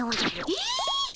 えっ？